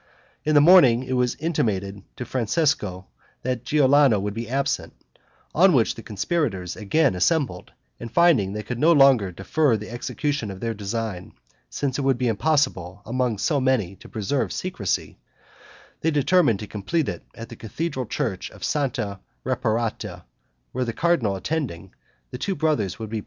In the morning it was intimated to Francesco that Giuliano would be absent; on which the conspirators again assembled and finding they could no longer defer the execution of their design, since it would be impossible among so many to preserve secrecy, they determined to complete it in the cathedral church of Santa Reparata, where the cardinal attending, the two brothers would be present as usual.